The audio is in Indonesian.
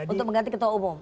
untuk mengganti ketua umum